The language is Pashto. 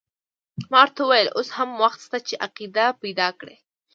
ما ورته وویل اوس هم وخت شته چې عقیده پیدا کړې.